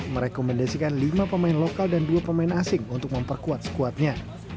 merekomendasikan lima pemain lokal dan dua pemain asing untuk memperkuat skuadnya